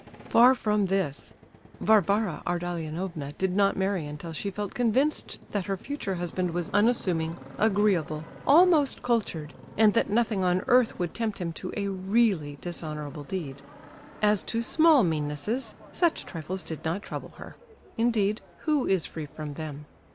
Far from this; Varvara Ardalionovna did not marry until she felt convinced that her future husband was unassuming, agreeable, almost cultured, and that nothing on earth would tempt him to a really dishonourable deed. As to small meannesses, such trifles did not trouble her. Indeed, who is free from them?